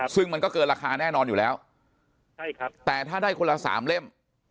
ซึ่งมันก็เกินราคาแน่นอนอยู่แล้วใช่ครับแต่ถ้าได้คนละสามเล่ม